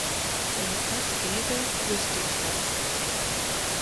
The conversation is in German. Wenn es das gäbe, wüßte ich das.